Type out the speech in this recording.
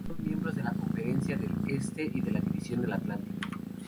Son miembros de la Conferencia del Este y de la división del atlántico.